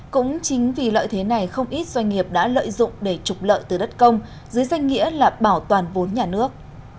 cũng chính vì lợi thế này không ít doanh nghiệp đã lợi dụng để trục lợi từ đất công dưới danh nghĩa là bảo toàn vốn nhà nước